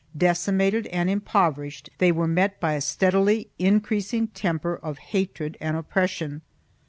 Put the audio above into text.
Decimated and impoverished, they were met by a steadily increasing temper of hatred and oppression.